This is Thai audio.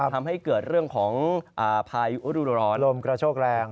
ทำให้เกิดเรื่องของพายุฤดูร้อนลมกระโชกแรง